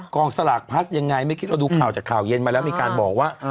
สลากพลัสยังไงไม่คิดเราดูข่าวจากข่าวเย็นมาแล้วมีการบอกว่า